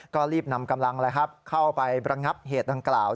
ก็รีบนำกำลังเข้าไประงับเหตุดังกล่าว